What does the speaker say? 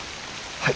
はい。